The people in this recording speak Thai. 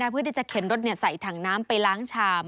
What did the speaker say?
เพื่อที่จะเข็นรถใส่ถังน้ำไปล้างชาม